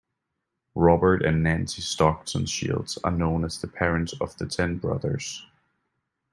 Robert and Nancy Stockton Shields are known as the Parents of the Ten Brothers.